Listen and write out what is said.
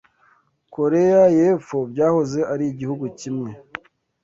Korea y’Epfo byahoze ari igihugu kimwe